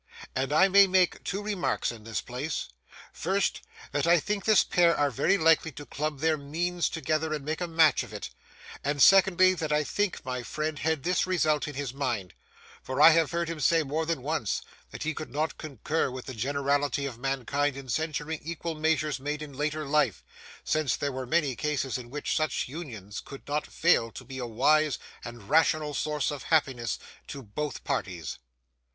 And I may make two remarks in this place: first, that I think this pair are very likely to club their means together and make a match of it; and secondly, that I think my friend had this result in his mind, for I have heard him say, more than once, that he could not concur with the generality of mankind in censuring equal marriages made in later life, since there were many cases in which such unions could not fail to be a wise and rational source of happiness to both parties.